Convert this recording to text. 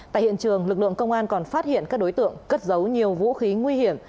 tại hiện trường lực lượng công an còn phát hiện các đối tượng cất giấu nhiều vũ khí nguy hiểm